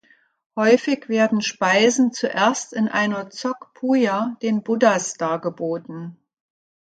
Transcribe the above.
Häufig werden Speisen zuerst in einer Tsog-Puja den Buddhas dargeboten.